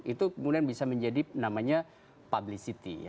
itu kemudian bisa menjadi namanya publicity